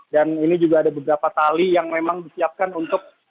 dan ini juga ada beberapa tali yang memang disiapkan untuk